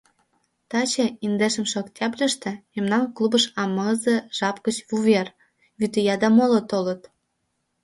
Таче, индешымше октябрьыште, мемнан клубыш амызе жап гыч вувер, вӱд ия да моло толыт.